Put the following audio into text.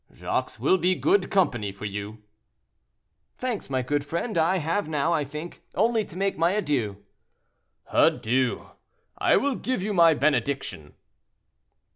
"Jacques will be good company for you." "Thanks, my good friend, I have now, I think, only to make my adieux." "Adieu; I will give you my benediction."